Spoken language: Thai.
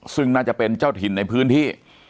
ซึ่งน่าจะเป็นเจ้าถิ่นในพื้นที่